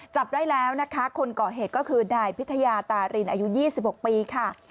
จับได้แล้วนะคะคนก่อเหตุก็คือนายพิทยาตารินอายุ๒๖ปีค่ะ